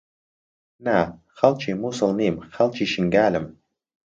نا، خەڵکی مووسڵ نیم، خەڵکی شنگالم.